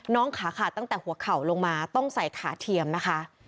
ขาขาดตั้งแต่หัวเข่าลงมาต้องใส่ขาเทียมนะคะ